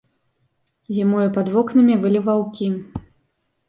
Зімою пад вокнамі вылі ваўкі.